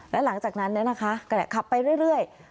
และหลังจากนั้นนะคะแก่คับไปเรื่อย